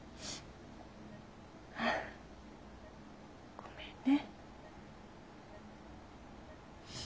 ごめんね。